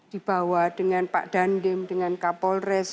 dibawa dengan pak dandim dengan kapolres